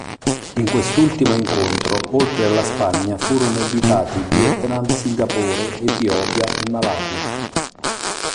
In quest'ultimo incontro, oltre alla Spagna furono invitati Vietnam, Singapore, Etiopia e Malawi.